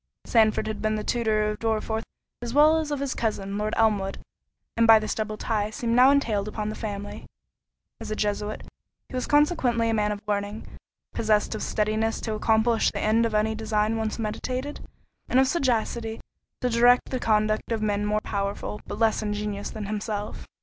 Sandford had been the tutor of Dorriforth as well as of his cousin, Lord Elmwood, and by this double tie seemed now entailed upon the family. As a Jesuit, he was consequently a man of learning; possessed of steadiness to accomplish the end of any design once meditated, and of sagacity to direct the conduct of men more powerful, but less ingenious, than himself.